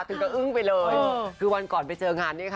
ถึงก็อึ้งไปเลยคือวันก่อนไปเจองานนี้ค่ะ